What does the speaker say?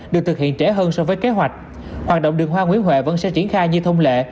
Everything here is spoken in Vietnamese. được thực hiện trễ hơn so với kế hoạch hoạt động đường hoa nguyễn huệ vẫn sẽ triển khai như thông lệ